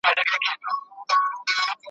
ما پر منبر د خپل بلال ږغ اورېدلی نه دی ,